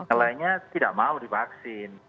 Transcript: elahnya tidak mau divaksin